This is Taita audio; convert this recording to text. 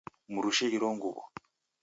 Mrushe iro nguw'o